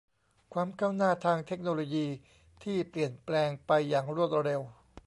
ความก้าวหน้าทางเทคโนโลยีที่เปลี่ยนแปลงไปอย่างรวดเร็ว